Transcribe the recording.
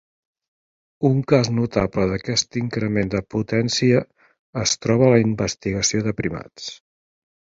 Un cas notable d'aquest increment de potència es troba a la investigació de primats.